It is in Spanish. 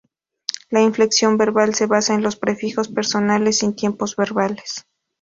La inflexión verbal se basa en los prefijos personales, sin tiempos verbales.